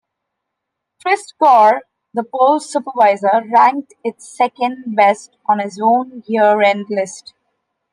Christgau, the poll's supervisor, ranked it second best on his own year-end list.